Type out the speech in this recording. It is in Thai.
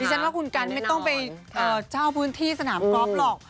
ดีฉันว่าคุณกันไม่ต้องไปเจ้าบุญที่สนามกรอบหรอก